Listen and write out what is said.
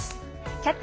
「キャッチ！